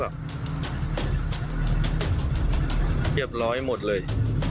เรียบร้อยหมดเลย